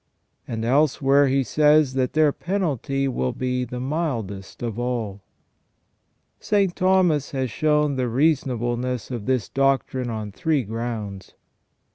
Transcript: * And elsewhere he says that their penalty will be " the mildest of all ".f SL Thomas has shown the reasonableness of this doctrine on three distinct grounds.